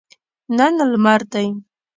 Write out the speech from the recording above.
نن لمر دی